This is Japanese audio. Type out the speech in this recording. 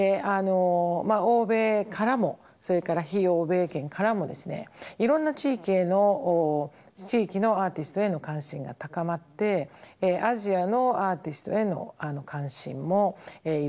欧米からもそれから非欧米圏からもですねいろんな地域のアーティストへの関心が高まってアジアのアーティストへの関心もいろいろなところから高まっていました。